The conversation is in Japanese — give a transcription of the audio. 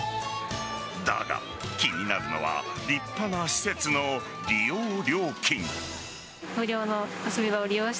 だが、気になるのは立派な施設の利用料金。